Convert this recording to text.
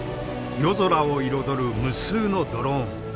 夜空を彩る無数のドローン。